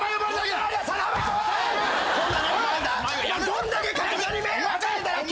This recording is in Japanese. どんだけ会社に迷惑掛けたら！